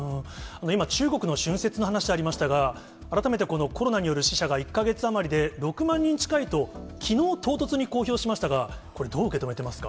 今、中国の春節の話ありましたが、改めてこのコロナによる死者が１か月余りで６万人近いと、きのう、唐突に公表しましたが、これ、どう受けてますか？